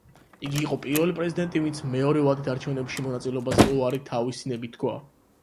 იგი იყო პირველი პრეზიდენტი, ვინც მეორე ვადით არჩევნებში მონაწილეობაზე უარი თავისი ნებით თქვა.